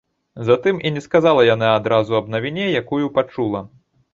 Затым і не сказала яна адразу аб навіне, якую пачула.